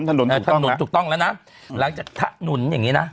ถนนอย่างงี้นะ